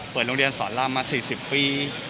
โรงเรียนสอนรามมา๔๐ปี